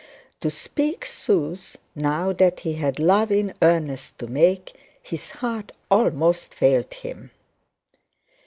To speak sooth, now that he had love in earnest to make, his heart almost failed him.